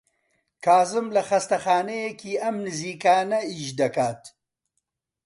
کازم لە خەستەخانەیەکی ئەم نزیکانە ئیش دەکات.